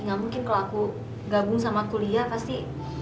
gak mungkin kalau aku gabung sama kuliah pasti